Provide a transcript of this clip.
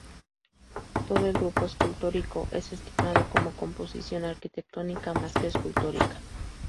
Todo el grupo escultórico es estimado como composición arquitectónica más que escultórica.